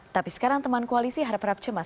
tapi sekarang teman koalisi harap harap cemas